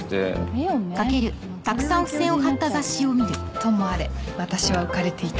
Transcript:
ともあれ私は浮かれていた。